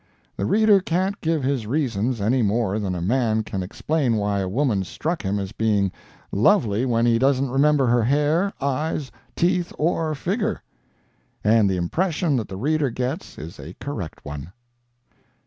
The reader can't give his reasons any more than a man can explain why a woman struck him as being lovely when he doesn't remember her hair, eyes, teeth, or figure. And the impression that the reader gets is a correct one."